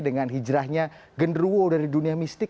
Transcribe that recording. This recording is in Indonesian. dengan hijrahnya genderuo dari dunia mistik